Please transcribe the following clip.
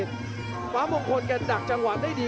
โอ้โหไม่พลาดกับธนาคมโด้แดงเขาสร้างแบบนี้